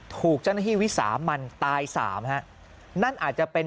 ถูกเจ้าหน้าที่วิสามันตายสามฮะนั่นอาจจะเป็น